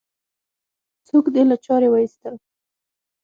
څوک دې له چارې وایستل؟